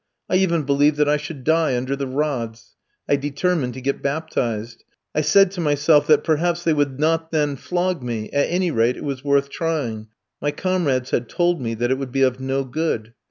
I even believed that I should die under the rods. I determined to get baptized. I said to myself, that perhaps they would not then flog me, at any rate it was worth trying, my comrades had told me that it would be of no good.